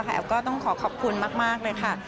แอฟก็ต้องขอขอบคุณมากเลยค่ะ